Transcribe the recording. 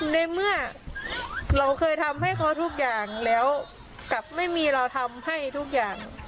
ในเมื่อเราเคยทำให้เขาทุกอย่างแล้วกลับไม่มีเราทำให้ทุกอย่าง